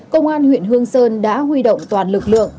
công an huyện hương sơn đã huy động toàn lực lượng